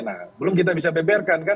nah belum kita bisa beberkan kan